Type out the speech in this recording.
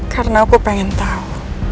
karena aku pengen tahu